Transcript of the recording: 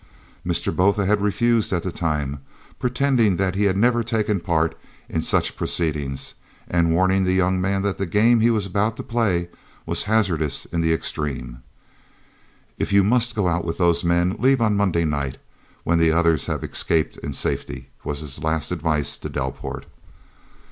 Mr. Botha had refused at the time, pretending that he had never taken part in such proceedings, and warning the young man that the game he was about to play was hazardous in the extreme. "If you must go out with those men, leave on Monday night, when the others have escaped in safety," was his last advice to Delport.